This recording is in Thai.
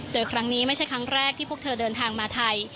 โดยครั้งนี้ไม่ใช่ครั้งแรกที่พวกเธอเดินทางมาไทย